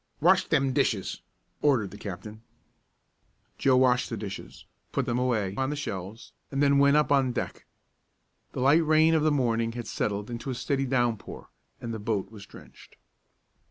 "Wash them dishes!" ordered the captain. Joe washed the dishes, put them away on the shelves, and then went up on deck. The light rain of the morning had settled into a steady downpour, and the boat was drenched.